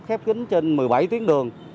khép kính trên một mươi bảy tuyến đường